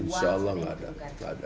insya allah nggak ada nggak ada